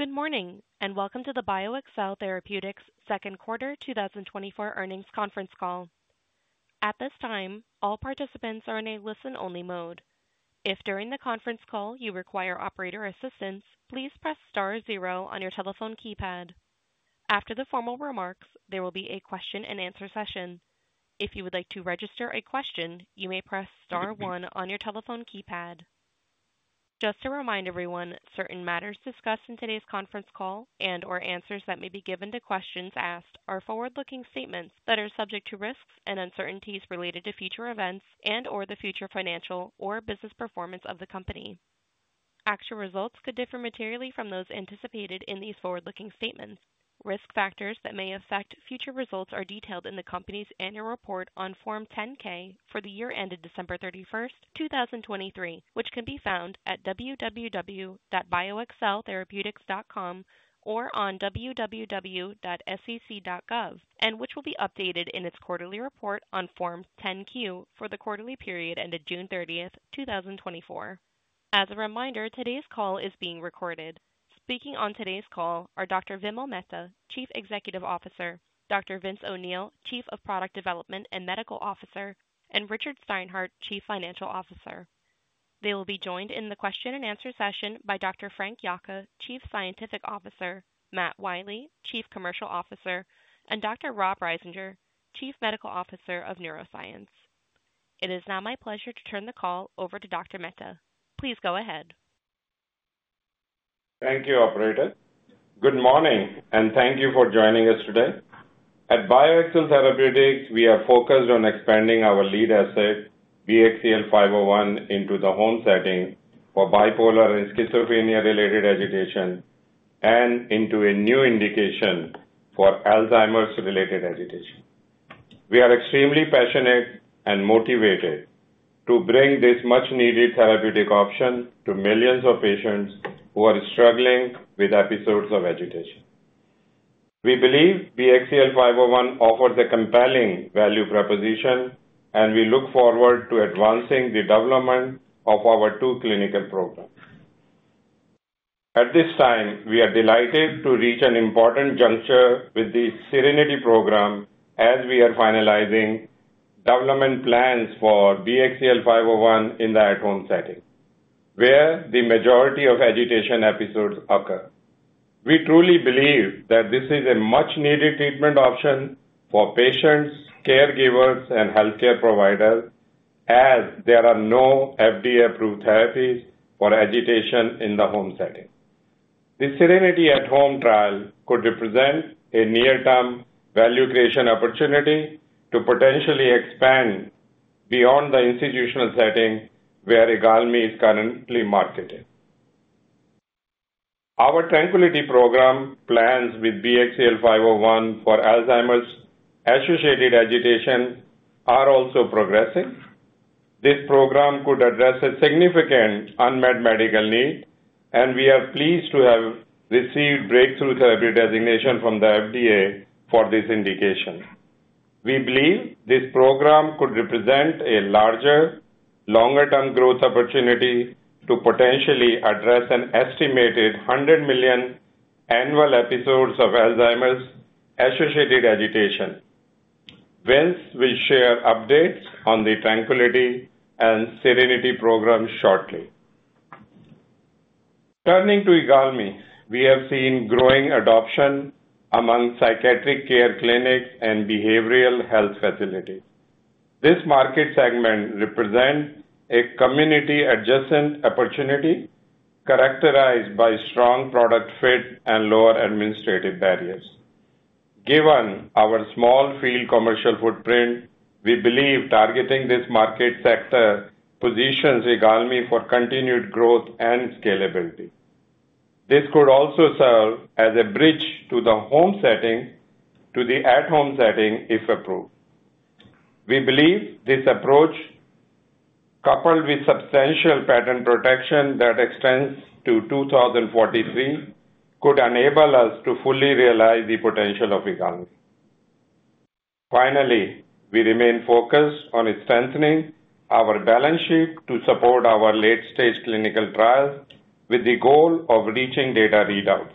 Good morning and welcome to the BioXcel Therapeutics second quarter 2024 earnings conference call. At this time, all participants are in a listen-only mode. If during the conference call you require operator assistance, please press star zero on your telephone keypad. After the formal remarks, there will be a question-and-answer session. If you would like to register a question, you may press star one on your telephone keypad. Just to remind everyone, certain matters discussed in today's conference call and/or answers that may be given to questions asked are forward-looking statements that are subject to risks and uncertainties related to future events and/or the future financial or business performance of the company. Actual results could differ materially from those anticipated in these forward-looking statements. Risk factors that may affect future results are detailed in the company's annual report on Form 10-K for the year ended December 31st, 2023, which can be found at www.bioxceltherapeutics.com or on www.sec.gov, and which will be updated in its quarterly report on Form 10-Q for the quarterly period ended June 30th, 2024. As a reminder, today's call is being recorded. Speaking on today's call are Dr. Vimal Mehta, Chief Executive Officer; Dr. Vince O'Neill, Chief of Product Development and Medical Officer; and Richard Steinhart, Chief Financial Officer. They will be joined in the question-and-answer session by Dr. Frank Yocca, Chief Scientific Officer; Matt Wiley, Chief Commercial Officer; and Dr. Rob Risinger, Chief Medical Officer of Neuroscience. It is now my pleasure to turn the call over to Dr. Mehta. Please go ahead. Thank you, Operator. Good morning and thank you for joining us today. At BioXcel Therapeutics, we are focused on expanding our lead asset, BXCL501, into the home setting for bipolar and schizophrenia-related agitation and into a new indication for Alzheimer's-related agitation. We are extremely passionate and motivated to bring this much-needed therapeutic option to millions of patients who are struggling with episodes of agitation. We believe BXCL501 offers a compelling value proposition, and we look forward to advancing the development of our two clinical programs. At this time, we are delighted to reach an important juncture with the Serenity program as we are finalizing development plans for BXCL501 in the at-home setting, where the majority of agitation episodes occur. We truly believe that this is a much-needed treatment option for patients, caregivers, and healthcare providers, as there are no FDA-approved therapies for agitation in the home setting. The SERENITY At-Home trial could represent a near-term value creation opportunity to potentially expand beyond the institutional setting where IGALMI is currently marketed. Our Tranquility program plans with BXCL501 for Alzheimer's-associated agitation are also progressing. This program could address a significant unmet medical need, and we are pleased to have received Breakthrough Therapy Designation from the FDA for this indication. We believe this program could represent a larger, longer-term growth opportunity to potentially address an estimated 100 million annual episodes of Alzheimer's-associated agitation. Vince will share updates on the Tranquility and Serenity program shortly. Turning to IGALMI, we have seen growing adoption among psychiatric care clinics and behavioral health facilities. This market segment represents a community-adjacent opportunity characterized by strong product fit and lower administrative barriers. Given our small field commercial footprint, we believe targeting this market sector positions IGALMI for continued growth and scalability. This could also serve as a bridge to the home setting to the at-home setting if approved. We believe this approach, coupled with substantial patent protection that extends to 2043, could enable us to fully realize the potential of IGALMI. Finally, we remain focused on strengthening our balance sheet to support our late-stage clinical trials with the goal of reaching data readouts.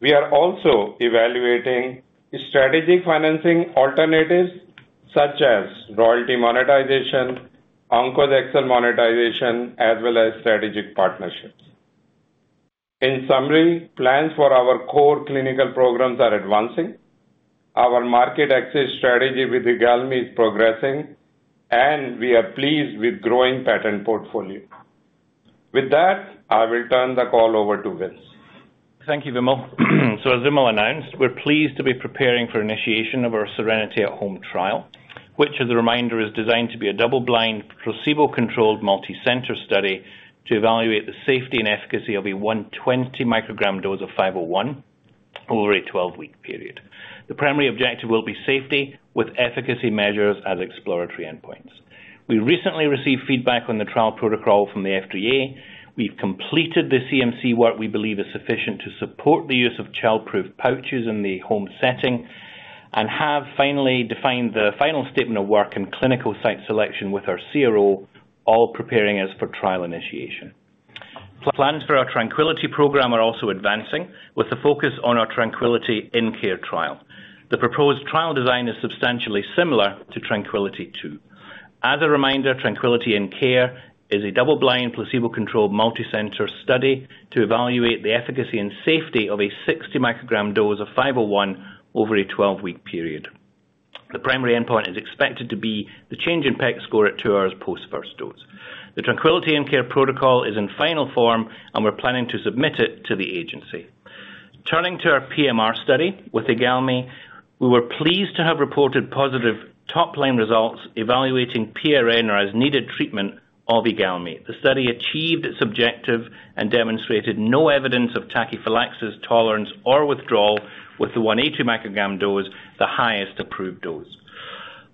We are also evaluating strategic financing alternatives such as royalty monetization, OnkosXcel monetization, as well as strategic partnerships. In summary, plans for our core clinical programs are advancing, our market access strategy with IGALMI is progressing, and we are pleased with the growing patent portfolio. With that, I will turn the call over to Vince. Thank you, Vimal. So, as Vimal announced, we're pleased to be preparing for initiation of our Serenity At-Home trial, which, as a reminder, is designed to be a double-blind, placebo-controlled multi-center study to evaluate the safety and efficacy of a 120-microgram dose of 501 over a 12-week period. The primary objective will be safety with efficacy measures as exploratory endpoints. We recently received feedback on the trial protocol from the FDA. We've completed the CMC work we believe is sufficient to support the use of child-proof pouches in the home setting and have finally defined the final statement of work and clinical site selection with our CRO, all preparing us for trial initiation. Plans for our Tranquility program are also advancing with the focus on our Tranquility In-Care trial. The proposed trial design is substantially similar to Tranquility 2. As a reminder, Tranquility In-Care is a double-blind, placebo-controlled multi-center study to evaluate the efficacy and safety of a 60-microgram dose of BXCL501 over a 12-week period. The primary endpoint is expected to be the change in PEC score at 2 hours post first dose. The Tranquility In-Care protocol is in final form, and we're planning to submit it to the agency. Turning to our PMR study with IGALMI, we were pleased to have reported positive top-line results evaluating PRN or as-needed treatment of IGALMI. The study achieved its objective and demonstrated no evidence of tachyphylaxis, tolerance, or withdrawal with the 180-microgram dose, the highest approved dose.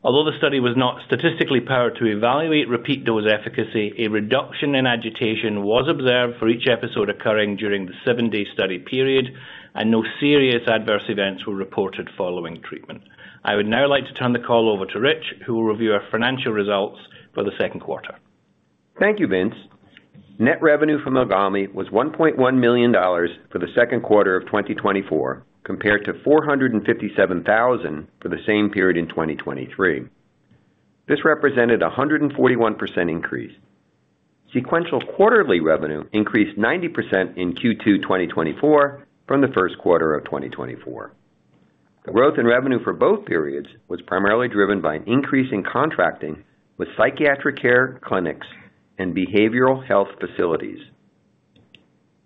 Although the study was not statistically powered to evaluate repeat dose efficacy, a reduction in agitation was observed for each episode occurring during the 7-day study period, and no serious adverse events were reported following treatment. I would now like to turn the call over to Rich, who will review our financial results for the second quarter. Thank you, Vince. Net revenue from IGALMI was $1.1 million for the second quarter of 2024, compared to $457,000 for the same period in 2023. This represented a 141% increase. Sequential quarterly revenue increased 90% in Q2 2024 from the first quarter of 2024. The growth in revenue for both periods was primarily driven by an increase in contracting with psychiatric care clinics and behavioral health facilities.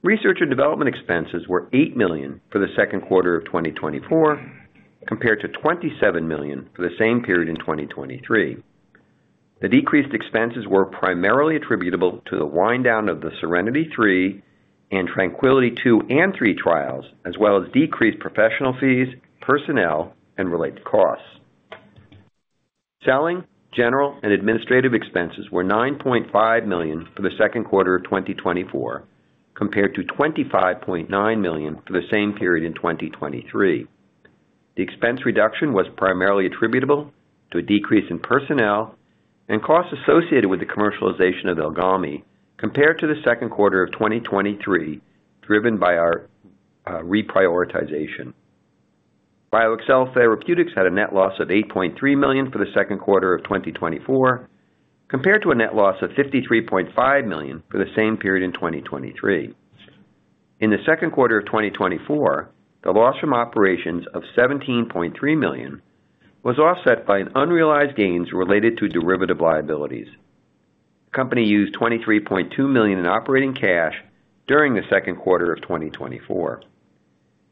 Research and development expenses were $8 million for the second quarter of 2024, compared to $27 million for the same period in 2023. The decreased expenses were primarily attributable to the wind-down of the Serenity 3 and Tranquility 2 and 3 trials, as well as decreased professional fees, personnel, and related costs. Selling, general, and administrative expenses were $9.5 million for the second quarter of 2024, compared to $25.9 million for the same period in 2023. The expense reduction was primarily attributable to a decrease in personnel and costs associated with the commercialization of IGALMI, compared to the second quarter of 2023, driven by our reprioritization. BioXcel Therapeutics had a net loss of $8.3 million for the second quarter of 2024, compared to a net loss of $53.5 million for the same period in 2023. In the second quarter of 2024, the loss from operations of $17.3 million was offset by unrealized gains related to derivative liabilities. The company used $23.2 million in operating cash during the second quarter of 2024.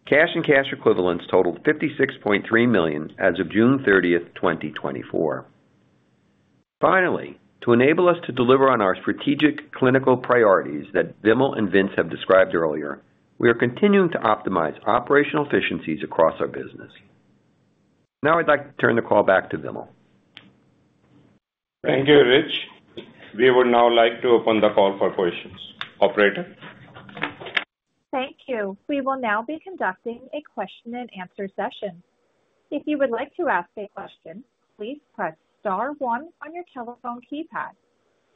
Cash and cash equivalents totaled $56.3 million as of June 30th, 2024. Finally, to enable us to deliver on our strategic clinical priorities that Vimal and Vince have described earlier, we are continuing to optimize operational efficiencies across our business. Now I'd like to turn the call back to Vimal. Thank you, Rich. We would now like to open the call for questions. Operator. Thank you. We will now be conducting a question-and-answer session. If you would like to ask a question, please press star one on your telephone keypad.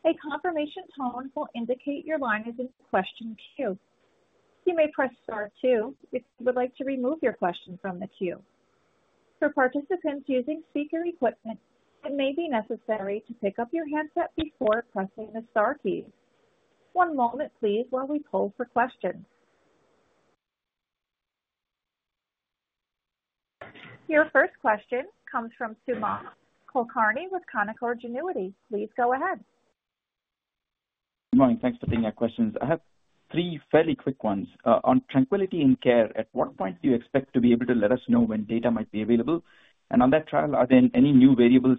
A confirmation tone will indicate your line is in question queue. You may press star two if you would like to remove your question from the queue. For participants using speaker equipment, it may be necessary to pick up your handset before pressing the star key. One moment, please, while we pull for questions. Your first question comes from Sumant Kulkarni with Canaccord Genuity. Please go ahead. Good morning. Thanks for taking our questions. I have three fairly quick ones. On Tranquility In-Care, at what point do you expect to be able to let us know when data might be available? And on that trial, are there any new variables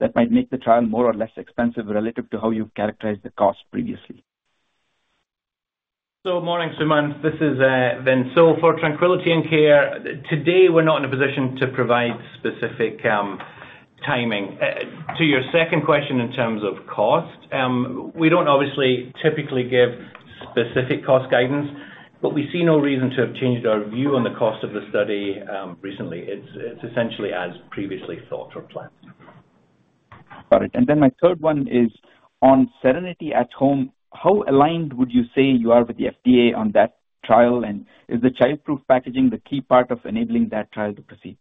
that might make the trial more or less expensive relative to how you've characterized the cost previously? Morning, Sumant. This is Vince. For Tranquility In-Care, today we're not in a position to provide specific timing. To your second question in terms of cost, we don't obviously typically give specific cost guidance, but we see no reason to have changed our view on the cost of the study recently. It's essentially as previously thought or planned. Got it. And then my third one is on Serenity At-Home. How aligned would you say you are with the FDA on that trial? And is the child-proof packaging the key part of enabling that trial to proceed?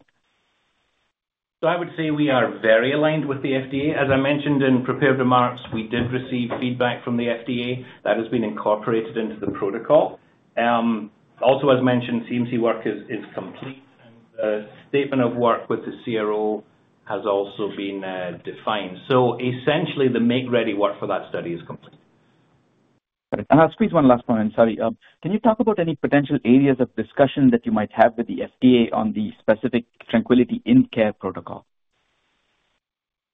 I would say we are very aligned with the FDA. As I mentioned in prepared remarks, we did receive feedback from the FDA that has been incorporated into the protocol. Also, as mentioned, CMC work is complete, and the statement of work with the CRO has also been defined. Essentially, the make-ready work for that study is complete. And I'll squeeze one last point in. Sorry. Can you talk about any potential areas of discussion that you might have with the FDA on the specific Tranquility In-Care protocol?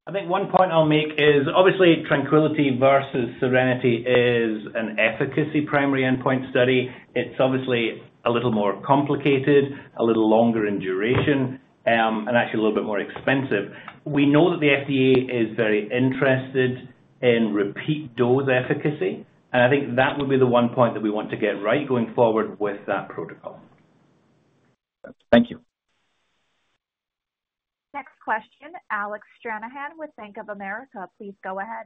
I think one point I'll make is obviously Tranquility versus Serenity is an efficacy primary endpoint study. It's obviously a little more complicated, a little longer in duration, and actually a little bit more expensive. We know that the FDA is very interested in repeat dose efficacy, and I think that would be the one point that we want to get right going forward with that protocol. Thank you. Next question, Alec Stranahan with Bank of America. Please go ahead.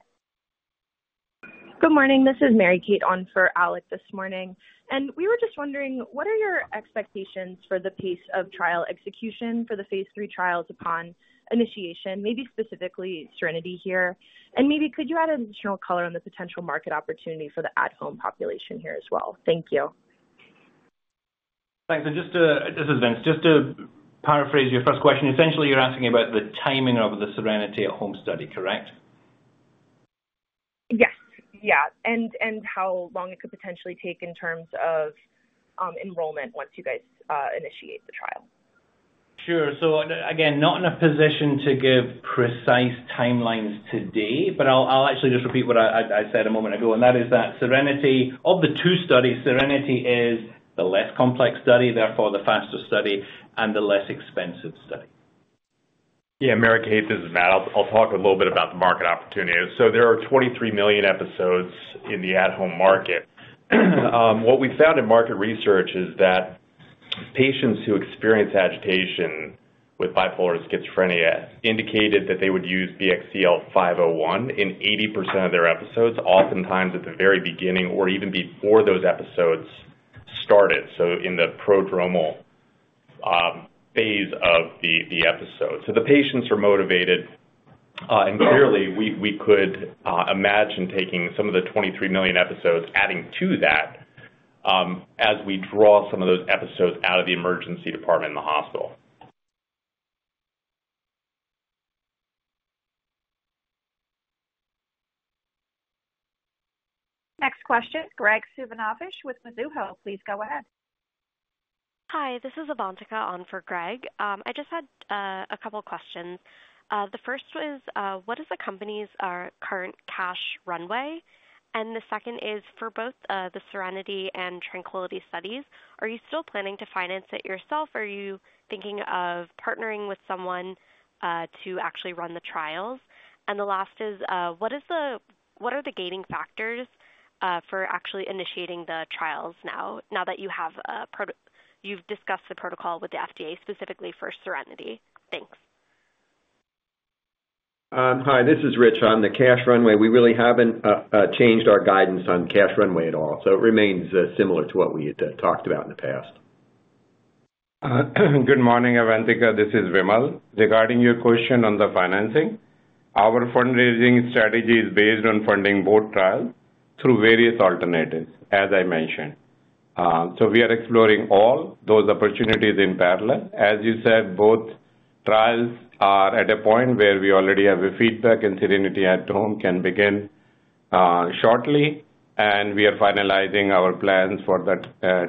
Good morning. This is Mary Kate on for Alec this morning. And we were just wondering, what are your expectations for the pace of trial execution for the phase 3 trials upon initiation, maybe specifically Serenity here? And maybe could you add additional color on the potential market opportunity for the at-home population here as well? Thank you. Thanks. And this is Vince. Just to paraphrase your first question, essentially you're asking about the timing of the Serenity At-Home study, correct? Yes. Yeah. And how long it could potentially take in terms of enrollment once you guys initiate the trial? Sure. So again, not in a position to give precise timelines today, but I'll actually just repeat what I said a moment ago, and that is that Serenity, of the two studies, Serenity is the less complex study, therefore the faster study, and the less expensive study. Yeah. Mary Kate, this is Matt. I'll talk a little bit about the market opportunity. So there are 23 million episodes in the at-home market. What we found in market research is that patients who experience agitation with bipolar schizophrenia indicated that they would use BXCL501 in 80% of their episodes, oftentimes at the very beginning or even before those episodes started, so in the prodromal phase of the episode. So the patients are motivated, and clearly we could imagine taking some of the 23 million episodes adding to that as we draw some of those episodes out of the emergency department in the hospital. Next question, Graig Suvannavejh with Mizuho. Please go ahead. Hi. This is Avantika on for Graig. I just had a couple of questions. The first was, what is the company's current cash runway? And the second is, for both the Serenity and Tranquility studies, are you still planning to finance it yourself? Are you thinking of partnering with someone to actually run the trials? And the last is, what are the gating factors for actually initiating the trials now that you've discussed the protocol with the FDA specifically for Serenity? Thanks. Hi. This is Rich. On the cash runway, we really haven't changed our guidance on cash runway at all. So it remains similar to what we had talked about in the past. Good morning, Avantika. This is Vimal. Regarding your question on the financing, our fundraising strategy is based on funding both trials through various alternatives, as I mentioned. We are exploring all those opportunities in parallel. As you said, both trials are at a point where we already have the feedback, and Serenity At-Home can begin shortly. We are finalizing our plans for the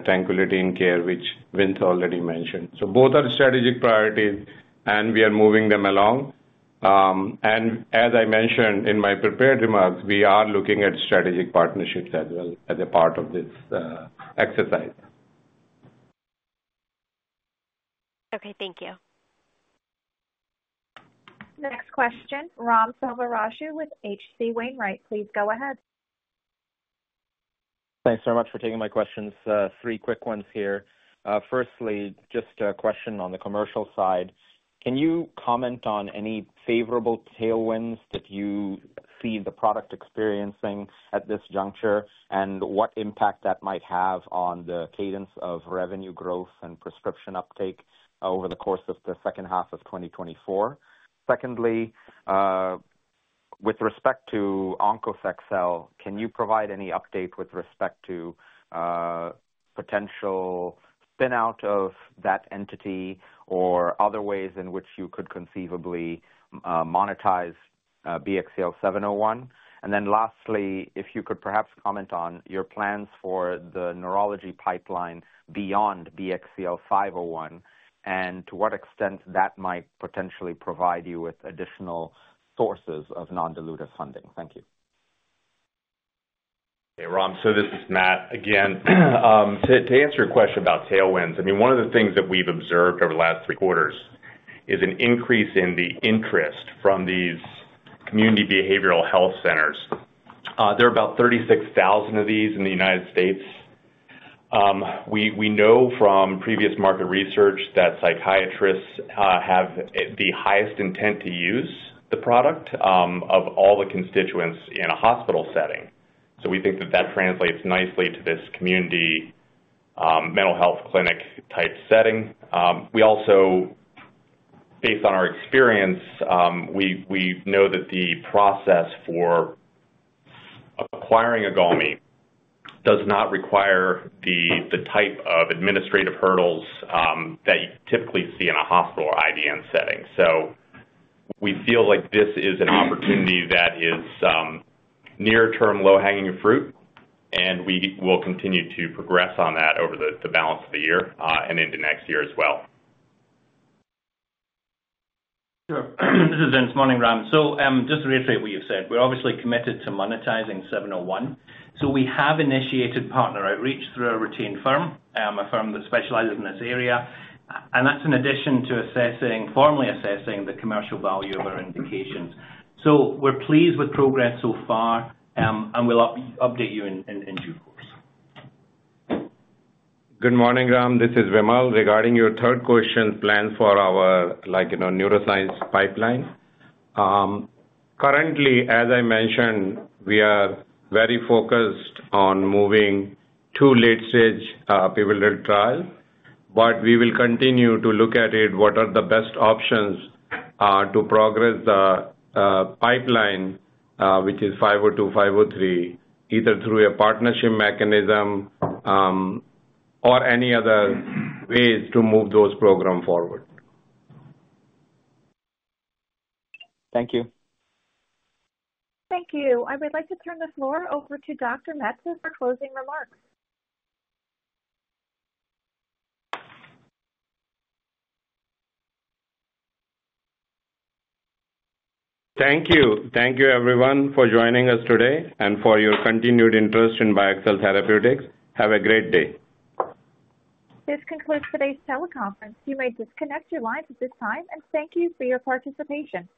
Tranquility In-Care, which Vince already mentioned. Both are strategic priorities, and we are moving them along. As I mentioned in my prepared remarks, we are looking at strategic partnerships as well as a part of this exercise. Okay. Thank you. Next question, Ram Selvaraju with H.C. Wainwright. Please go ahead. Thanks so much for taking my questions. Three quick ones here. Firstly, just a question on the commercial side. Can you comment on any favorable tailwinds that you see the product experiencing at this juncture and what impact that might have on the cadence of revenue growth and prescription uptake over the course of the second half of 2024? Secondly, with respect to OnkosXcel, can you provide any update with respect to potential spin-out of that entity or other ways in which you could conceivably monetize BXCL701? And then lastly, if you could perhaps comment on your plans for the neurology pipeline beyond BXCL501 and to what extent that might potentially provide you with additional sources of non-dilutive funding. Thank you. Hey, Ram. So this is Matt again. To answer your question about tailwinds, I mean, one of the things that we've observed over the last 3 quarters is an increase in the interest from these community behavioral health centers. There are about 36,000 of these in the United States. We know from previous market research that psychiatrists have the highest intent to use the product of all the constituents in a hospital setting. So we think that that translates nicely to this community mental health clinic-type setting. We also, based on our experience, we know that the process for acquiring IGALMI does not require the type of administrative hurdles that you typically see in a hospital or IDN setting. We feel like this is an opportunity that is near-term, low-hanging fruit, and we will continue to progress on that over the balance of the year and into next year as well. Sure. This is Vince. Morning, Ram. So just to reiterate what you've said, we're obviously committed to monetizing 701. So we have initiated partner outreach through our retained firm, a firm that specializes in this area. And that's in addition to formally assessing the commercial value of our indications. So we're pleased with progress so far, and we'll update you in due course. Good morning, Ram. This is Vimal. Regarding your third question, plans for our neuroscience pipeline. Currently, as I mentioned, we are very focused on moving to late-stage pivotal trials, but we will continue to look at what are the best options to progress the pipeline, which is 502, 503, either through a partnership mechanism or any other ways to move those programs forward. Thank you. Thank you. I would like to turn the floor over to Dr. Mehta for closing remarks. Thank you. Thank you, everyone, for joining us today and for your continued interest in BioXcel Therapeutics. Have a great day. This concludes today's teleconference. You may disconnect your lines at this time and thank you for your participation.